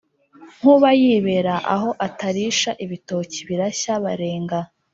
Nkuba yibera aho Atarisha ibitoki birashya, barenga